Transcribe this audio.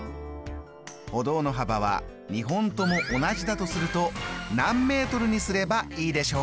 歩道の幅は２本とも同じだとすると何メートルにすればいいでしょうか？